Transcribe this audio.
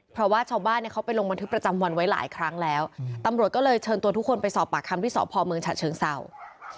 เพราะว่าชาวบ้านเนี่ยเขาไปลงบันทึกประจำวันไว้หลายครั้งแล้วตำรวจก็เลยเชิญตัวทุกคนไปสอบปากคำที่สพเมืองฉะเชิงเศร้า